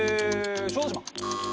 小豆島。